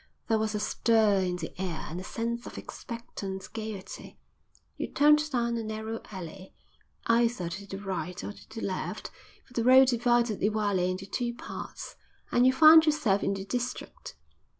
There was a stir in the air and a sense of expectant gaiety. You turned down a narrow alley, either to the right or to the left, for the road divided Iwelei into two parts, and you found yourself in the district.